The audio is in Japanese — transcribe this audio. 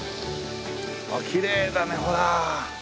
きれいだねほら！